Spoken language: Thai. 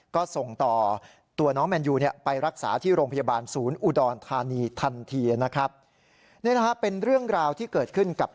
ก็ส่งต่อตัวน้องแมนยูไปรักษาที่โรงพยาบาลศูนย์อุดรธานีทันเทีย